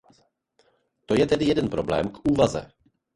To je tedy jeden problém k úvaze.